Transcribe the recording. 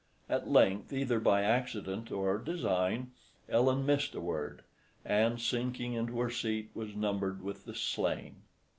At length, either by accident or design, Ellen missed a word, and sinking into her seat was numbered with the slain.